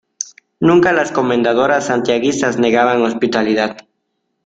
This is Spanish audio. nunca las Comendadoras Santiaguistas negaban hospitalidad.